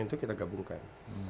itu kita gabungkan